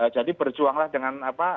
jadi berjuanglah dengan apa